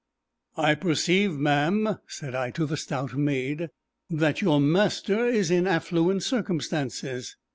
"I perceive, ma'am," said I to the stout maid, "that your master is in affluent circumstances."